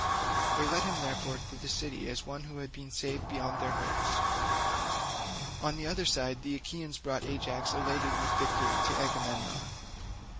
They led him, therefore, to the city as one that had been saved beyond their hopes. On the other side the Achaeans brought Ajax elated with victory to Agamemnon.